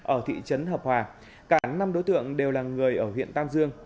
ở thị trấn hợp hòa cả năm đối tượng đều là người ở huyện tam dương